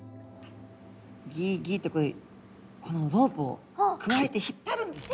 ギギってこのロープをくわえて引っ張るんですね。